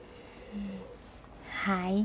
はい。